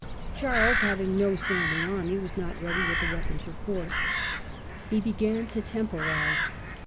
Charles, having no standing army, was not ready with the weapons of force : he began to temporize.